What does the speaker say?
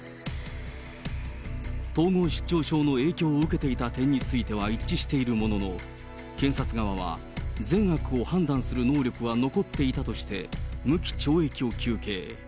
統合失調症の影響を受けていた点については一致しているものの、検察側は善悪を判断する能力は残っていたとして、無期懲役を求刑。